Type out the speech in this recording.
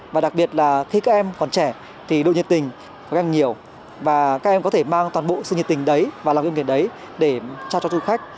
và đặc biệt là khi các em còn trẻ thì độ nhiệt tình của các em nhiều và các em có thể mang toàn bộ sự nhiệt tình đấy và làm công việc đấy để trao cho du khách